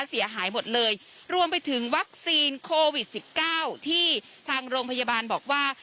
เสียหายหมดเลยรวมไปถึงวัคซีนโควิดสิบเก้าที่ทางโรงพยาบาลบอกว่า